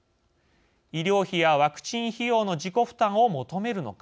医療費やワクチン費用の自己負担を求めるのか。